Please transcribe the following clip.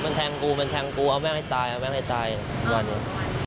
มันแทงกูมันแทงกูเอาแม่ให้ตายเอาแม่งให้ตายว่านี้